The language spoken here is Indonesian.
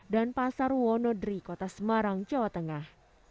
dan pasar wonodri kota semarang jawa tengah